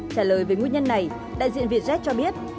trả lời về nguyên nhân này đại diện việt jet cho biết